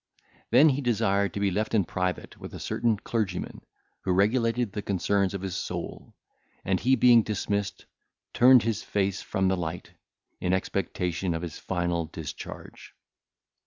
Then he desired to be left in private with a certain clergyman, who regulated the concerns of his soul, and he being dismissed, turned his face from the light, in expectation of his final discharge.